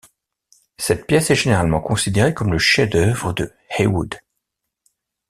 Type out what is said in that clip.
Cette pièce est généralement considérée comme le chef d'œuvre de Heywood.